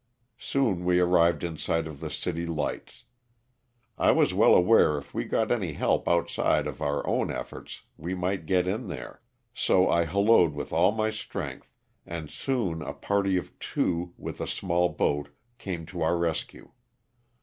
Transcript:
Soon we arrived in sight of the city lights. I was well aware if we got any help outside of our own efforts we might get it there, so I hal looed with all my strength and soon a party of two, with a small boat, came to our rescue.